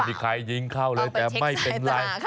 มีใครยิงเข้าเลยแต่ไม่เป็นไร